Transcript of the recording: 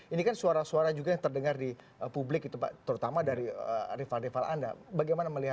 ini kan suara suara juga yang terdengar di publik itu pak terutama dari rival rival anda bagaimana melihat